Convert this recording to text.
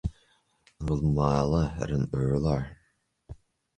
An bhfuil mála ar an urlár